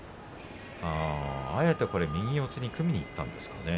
あえて右四つに組みにいったんですかね。